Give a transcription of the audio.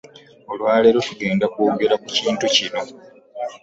Olwaleero tugenda kwogera ku kintu kino.